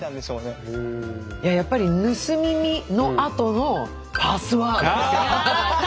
やっぱり「盗み見」のあとの「パスワード」ですよ。